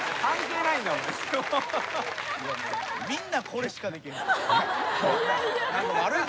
みんなこれしかできへん。